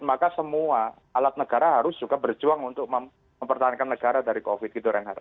maka semua alat negara harus juga berjuang untuk mempertahankan negara dari covid gitu renhard